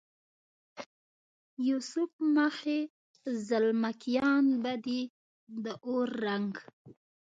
یوسف مخې زلمکیان به دې د اور رنګ،